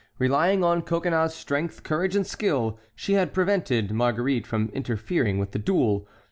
Relying on Coconnas's strength, courage, and skill, she had prevented Marguerite from interfering with the duel.